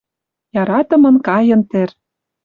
Яратымын кайын тӹр...